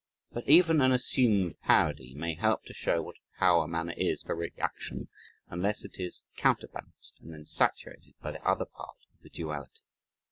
But even an assumed parody may help to show what a power manner is for reaction unless it is counterbalanced and then saturated by the other part of the duality.